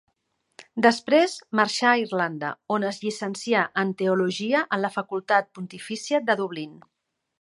Després marxà a Irlanda, on es llicencià en Teologia en la Facultat Pontifícia de Dublín.